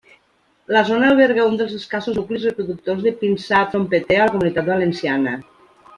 La zona alberga un dels escassos nuclis reproductors de pinsà trompeter a la Comunitat Valenciana.